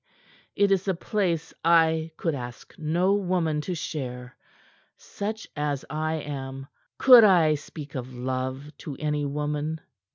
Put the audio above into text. It is a place I could ask no woman to share. Such as I am, could I speak of love to any woman?"